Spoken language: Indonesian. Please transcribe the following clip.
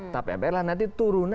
tap mpr lah nanti turunannya